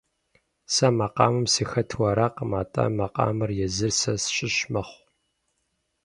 Сэ макъамэм сыхэту аракъым, атӀэ макъамэр езыр сэ сщыщ мэхъу.